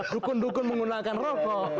dukun dukun menggunakan rokok